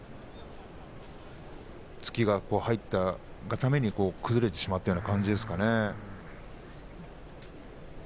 突きが入ったために崩れてしまったという感じですか